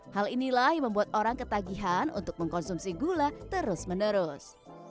hal inilah yang membuat orang ketagihan untuk mengkonsumsi gula terus menerus